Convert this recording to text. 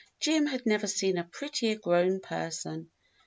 Jim had never seen a prettier grown person.